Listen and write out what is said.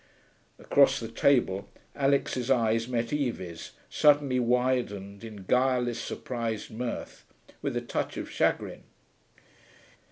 Across the table Alix's eyes met Evie's, suddenly widened in guileless, surprised mirth, with a touch of chagrin.